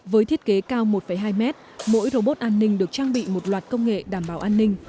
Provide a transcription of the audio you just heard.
với thiết kế cao một hai mét mỗi robot an ninh được trang bị một loạt công nghệ đảm bảo an ninh